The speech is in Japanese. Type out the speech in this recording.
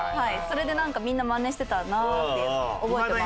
それでなんかみんなマネしてたなって覚えてます。